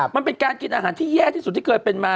มันเป็นการกินอาหารที่แย่ที่สุดที่เคยเป็นมา